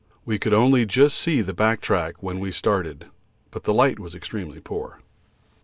We could only just see the back track when we started, but the light was extremely poor.